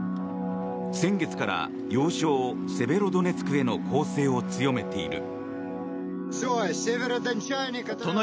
先月から要衝セベロドネツクへの攻勢を強めている。